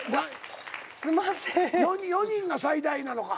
４人が最大なのか。